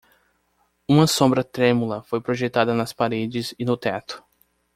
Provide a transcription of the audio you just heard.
Uma sombra trêmula foi projetada nas paredes e no teto.